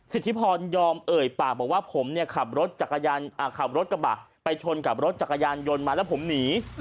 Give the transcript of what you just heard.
สิทธิพรยอมเอ่ยปากบอกว่าผมเนี่ยขับรถกระบะไปชนกับรถจักรยานยนต์มาแล้วผมหนี